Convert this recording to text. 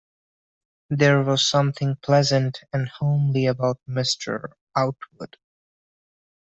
There was something pleasant and homely about Mr. Outwood.